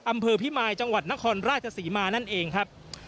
อำเภอพิมายจังหวัดนครราชศรีมานั่นเองครับ